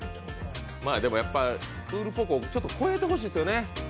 やっぱクールポコ、超えてほしいですよね。